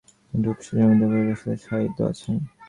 তিনি রূপসা জমিদার পরিবারের সাথে শায়িত আছেন।